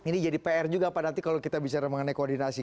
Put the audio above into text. ini jadi pr juga pak nanti kalau kita bicara mengenai koordinasi